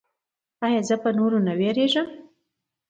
ایا زه به نور نه ویریږم؟